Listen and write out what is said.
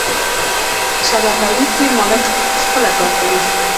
په ساده تولید کې مالک پخپله کار کوي.